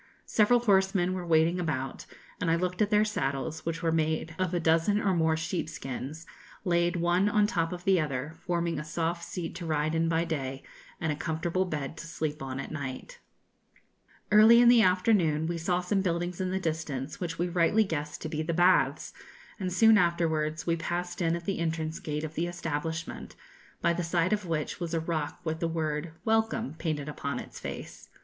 Several horsemen were waiting about, and I looked at their saddles, which were made of a dozen or more sheepskins, laid one on the top of the other, forming a soft seat to ride in by day and a comfortable bed to sleep on at night. [Illustration: Baths of Cauquenes] Early in the afternoon we saw some buildings in the distance, which we rightly guessed to be the baths, and soon afterwards we passed in at the entrance gate of the establishment, by the side of which was a rock with the word 'Welcome' painted upon its face.